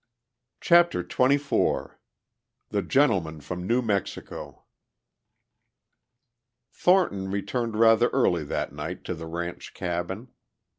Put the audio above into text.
CHAPTER XXIV THE GENTLEMAN FROM NEW MEXICO Thornton returned rather early that night to the ranch cabin.